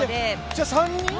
じゃあ３人？